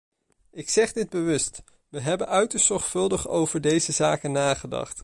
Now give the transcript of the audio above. Ik zeg dit bewust: we hebben uiterst zorgvuldig over deze zaken nagedacht.